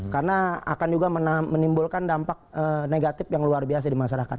karena akan juga menimbulkan dampak negatif yang luar biasa di masyarakat